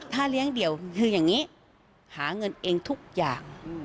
ถ้าเลี้ยงเดี่ยวคืออย่างนี้หาเงินเองทุกอย่าง